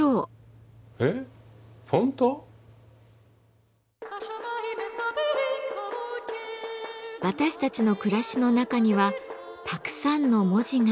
私たちの暮らしの中にはたくさんの文字があふれています。